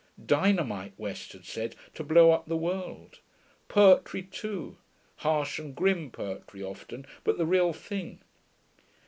Dynamite, West had said, to blow up the world. Poetry, too; harsh and grim poetry, often, but the real thing.